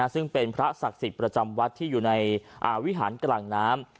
ซึ่งเป็นพระศักดิ์สิทธิ์ประจำวัดที่อยู่ในวิหารกลางน้ำ